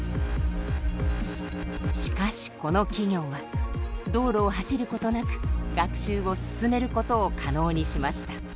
しかしこの企業は道路を走ることなく学習を進めることを可能にしました。